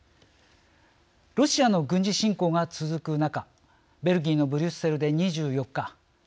ロシアの軍事侵攻が続く中ベルギーのブリュッセルで２４日